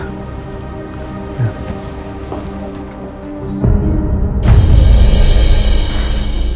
bapak harus bisa memaklumi itu